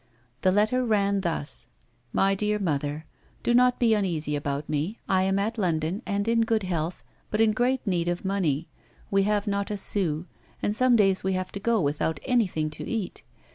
The letter ran thus :" Mt Dear Mother — Do not be uneasy about me. I am at London, and in good health, but in great need of money. We have not a sou, and some days we have to go without anything to eat.